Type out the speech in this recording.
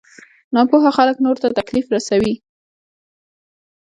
ناپوه خلک نورو ته تکليف رسوي.